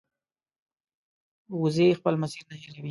وزې خپل مسیر نه هېروي